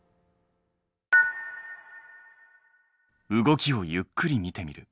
動きをゆっくり見てみる。